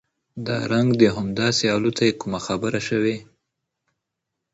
دا رنګ د هم داسې الوتى کومه خبره شوې؟